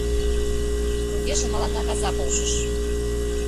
«Тугеже, мыланна каза полшыш.